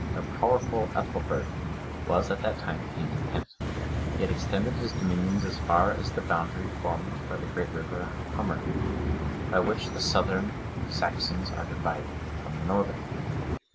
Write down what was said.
The powerful Ethelbert was at that time king of Kent;(109) he had extended his dominions as far as the boundary formed by the great river Humber, by which the Southern Saxons are divided from the Northern.